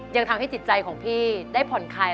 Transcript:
ยังทำให้จิตใจของพี่ได้ผ่อนคลาย